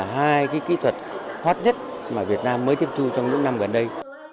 hai kỹ thuật hot nhất mà việt nam mới tiếp thu trong những năm gần đây